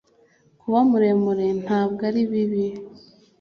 Kuba muremure ntabwo ari bibi.